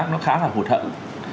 cảm giác nó khá là hụt hẫu